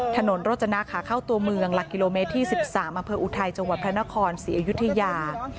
ถนนโรจนาขาเข้าตัวเมืองหลักกิโลเมตรที่๑๓อำเภออุทัยจังหวัดพระนครศรีอยุธยา